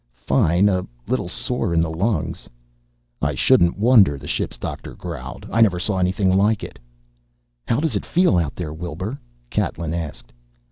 "Fine. A little sore in the lungs." "I shouldn't wonder," the ship's doctor growled. "I never saw anything like it." "How does it feel out there, Wilbur?" Catlin asked.